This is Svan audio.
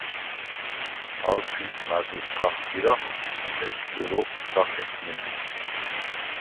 ალ თვის მაზუს ქახბირახ, ეჯზუ როქვ სგა ხექმენივ.